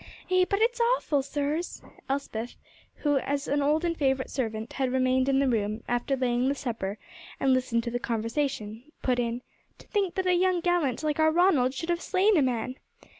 "Eh, but it's awful, sirs," Elspeth, who as an old and favourite servant had remained in the room after laying the supper and listened to the conversation, put in, "to think that a young gallant like our Ronald should have slain a man!